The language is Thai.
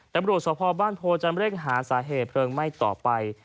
แต่บริษัทสวพบ้านโพลจำเริ่งหาสาเหตุเพลิงไหม้ต่อไป